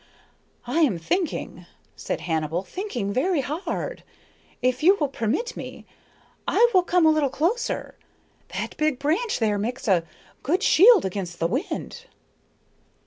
"I am thinking," said Hannibal, "thinking very hard. If you will permit me, I will come a little closer. That big branch there makes a good shield against the wind."